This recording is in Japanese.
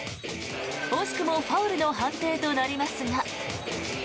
惜しくもファウルの判定となりますが。